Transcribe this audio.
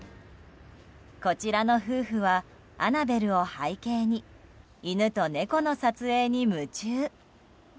こちらの夫婦はアナベルを背景に犬と猫の撮影に夢中。